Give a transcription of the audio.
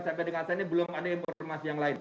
sampai dengan saat ini belum ada informasi yang lain